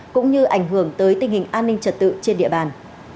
cũng như ảnh hưởng tới tình hình an ninh trật tự trên địa bàn